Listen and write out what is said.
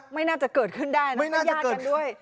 ไม่น่าจะเกิดขึ้นได้นะมันยาดกันด้วย